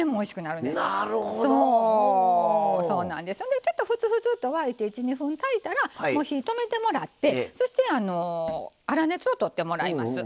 ちょっとふつふつと沸いて１２分炊いたら火止めてもらってそして粗熱をとってもらいます。